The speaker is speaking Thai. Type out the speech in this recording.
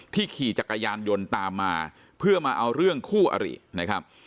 ขี่จักรยานยนต์ตามมาเพื่อมาเอาเรื่องคู่อรินะครับ